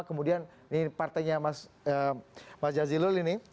kemudian ini partainya mas jazilul ini